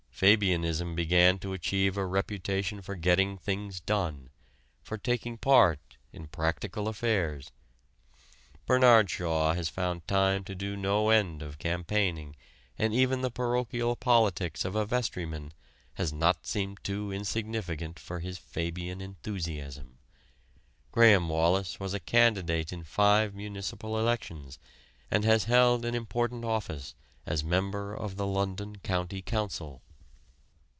Fabianism began to achieve a reputation for getting things done for taking part in "practical affairs." Bernard Shaw has found time to do no end of campaigning and even the parochial politics of a vestryman has not seemed too insignificant for his Fabian enthusiasm. Graham Wallas was a candidate in five municipal elections, and has held an important office as member of the London County Council.